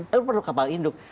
eh perlu kapal induk